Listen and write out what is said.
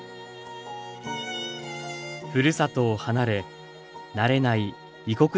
ふるさとを離れ慣れない異国での子育て。